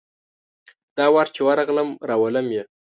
دا وار چي ورغلم ، راولم یې .